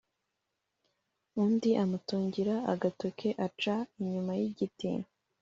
undi amutungira agatoke aca inyuma yigiti